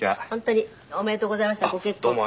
本当におめでとうございましたご結婚。